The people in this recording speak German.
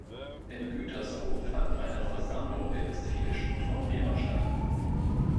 In Gütersloh fand eine Versammlung der westfälischen Turnlehrer statt.